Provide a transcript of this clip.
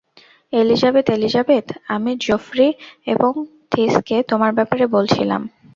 Elizabeth Elizabeth, আমি Jeffrey এবং থিসকে তোমার ব্যাপারে বলছিলাম।